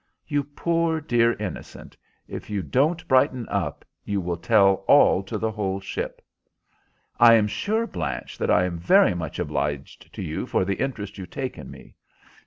You poor, dear innocent, if you don't brighten up you will tell it to the whole ship." "I am sure, Blanche, that I am very much obliged to you for the interest you take in me.